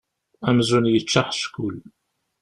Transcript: Amzun yečča aḥeckul.